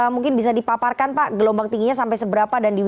mungkin bisa dipaparkan pak gelombang tingginya sampai seberapa